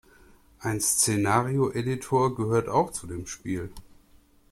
Ein Szenario-Editor gehört auch zu dem Spiel.